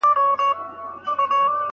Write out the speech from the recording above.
وئيل يې روغ عالم ﺯمونږ په درد کله خبريږي